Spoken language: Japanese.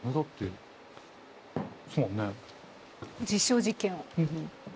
実証実験を。